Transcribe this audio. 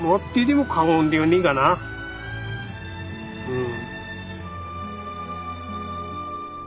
うん。